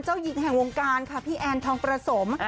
เจ้าหญิงแห่งวงการค่ะพี่แอนทองประสม